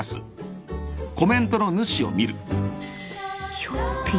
「ひょっぴぃ」。